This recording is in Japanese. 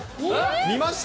見ました？